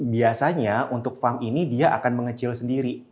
biasanya untuk farm ini dia akan mengecil sendiri